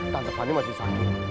tante fani masih sakit